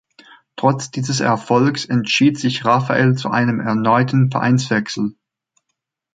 Trotz dieses Erfolgs entschied sich Rafael zu einem erneuten Vereinswechsel.